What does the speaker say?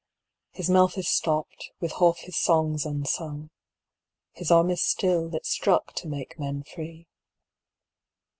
His mouth is stopped, with half his songs unsung; His arm is still, that struck to make men free.